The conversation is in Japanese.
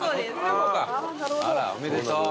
あらおめでとう。